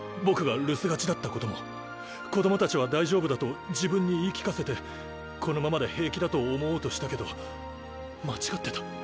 僕が留守がちだったことも子供たちは大丈夫だと自分に言い聞かせてこのままで平気だと思おうとしたけど間違ってた。